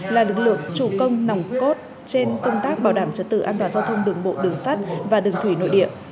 là lực lượng chủ công nòng cốt trên công tác bảo đảm trật tự an toàn giao thông đường bộ đường sắt và đường thủy nội địa